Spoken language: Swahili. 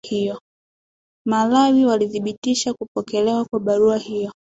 malawi walithibitisha kupokelewa kwa barua hiyo